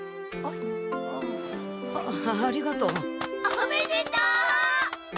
おめでとう！